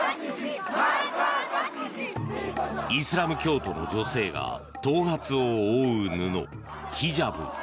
イスラム教徒の女性が頭髪を覆う布、ヒジャブ。